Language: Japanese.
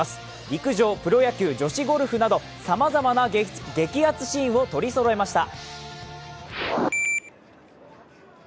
陸上、プロ野球、女子ゴルフなどさまざまな激アツシーンを取りそろえました。